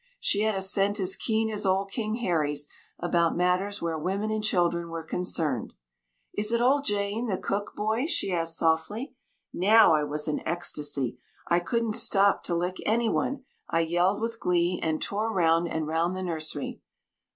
She had a scent as keen as old King Harry's, about matters where women and children were concerned. "Is it old Jane, the cook, Boy?" she asked softly. Now I was in an ecstasy. I couldn't stop to lick any one. I yelled with glee, and tore round and round the nursery.